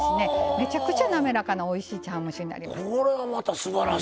めちゃくちゃなめらかなおいしい茶わん蒸しになります。